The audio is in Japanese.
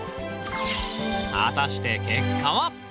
果たして結果は？